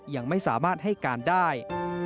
ยังไม่สามารถให้การได้